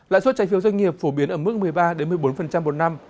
lãi suất trái phiếu doanh nghiệp phổ biến ở mức một mươi ba một mươi bốn một năm